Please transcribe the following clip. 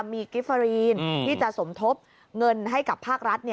มีกิฟเฟอรีนที่จะสมทบเงินให้กับภาครัฐ